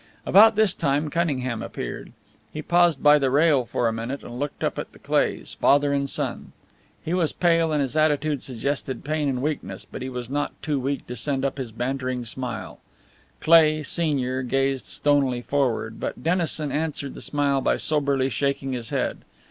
About this time Cunningham appeared. He paused by the rail for a minute and looked up at the Cleighs, father and son. He was pale, and his attitude suggested pain and weakness, but he was not too weak to send up his bantering smile. Cleigh, senior, gazed stonily forward, but Dennison answered the smile by soberly shaking his head.